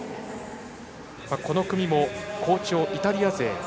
この組も、好調イタリア勢。